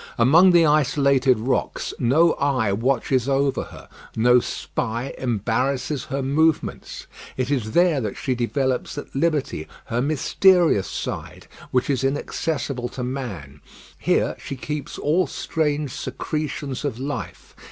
Among the isolated rocks no eye watches over her; no spy embarrasses her movements. It is there that she develops at liberty her mysterious side, which is inaccessible to man. Here she keeps all strange secretions of life.